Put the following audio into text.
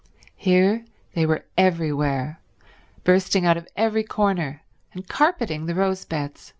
Here they were everywhere— bursting out of every corner and carpeting the rose beds.